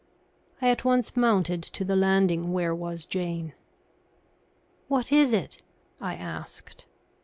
I at once mounted to the landing where was Jane. "What is it?" I asked.